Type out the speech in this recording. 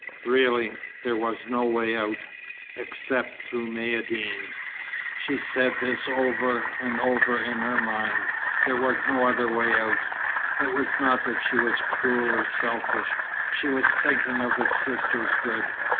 Really, there was no way out, except through Maïeddine. She said this over and over in her mind. There was no other way out. It was not that she was cruel or selfish. She was thinking of her sister's good.